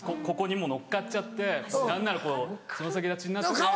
ここにもう乗っかっちゃって何ならこう爪先立ちになって。